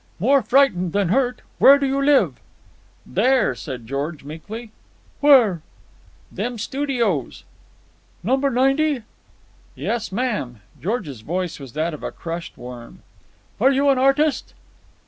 More frightened than hurt. Where do you live?" "There," said George meekly. "Where?" "Them studios." "No. 90?" "Yes, ma'am." George's voice was that of a crushed worm. "Are you an artist?"